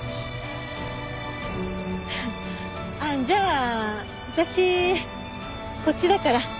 じゃあ私こっちだから。